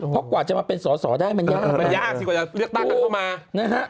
เพราะกว่าจะมาเป็นสอสอได้มันยากมันยากสิกว่าจะเลือกตั้งกันเข้ามานะฮะ